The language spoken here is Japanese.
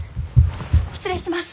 失礼します。